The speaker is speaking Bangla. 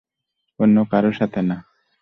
অন্য কারো সাথে না।